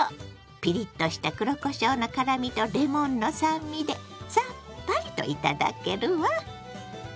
ピリッとした黒こしょうの辛みとレモンの酸味でさっぱりと頂けるわ。